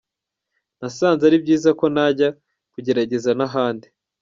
Nasanze ari byiza ko najya kugerageza n’ahandi.